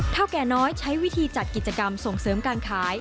แก่น้อยใช้วิธีจัดกิจกรรมส่งเสริมการขาย